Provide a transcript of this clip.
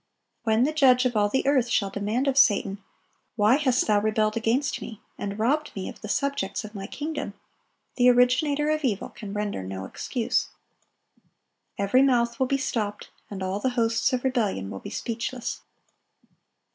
When the Judge of all the earth shall demand of Satan, "Why hast thou rebelled against Me, and robbed Me of the subjects of My kingdom?" the originator of evil can render no excuse. Every mouth will be stopped, and all the hosts of rebellion will be speechless.